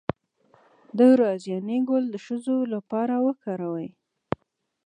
د رازیانې ګل د ښځو لپاره وکاروئ